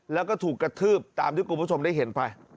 แล้วก็ถูกกระทืบตามที่คุณผู้ชมได้เห็นไป